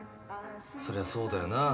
そりゃそうだよな。